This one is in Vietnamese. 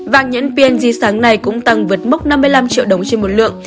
vàng nhẫn p g sáng nay cũng tăng vượt mốc năm mươi năm triệu đồng trên một lượng